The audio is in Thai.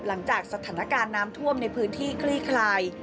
หลังจากสถานการณ์น้ำท่วมในพื้นที่คลี่คลาย